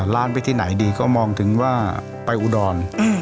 ร้านไปที่ไหนดีก็มองถึงว่าไปอุดร